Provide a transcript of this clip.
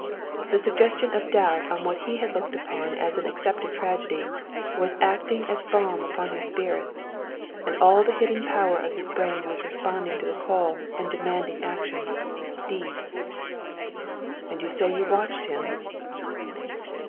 The suggestion of doubt on what he had looked upon as an accepted tragedy was acting as balm upon his spirits, and all the hidden power of his brain was responding to the call and demanding action deeds. "And you say you watched him?"